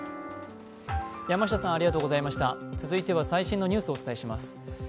続いては最新のニュースをお伝えします。